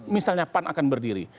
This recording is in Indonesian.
misalnya pan akan berdiri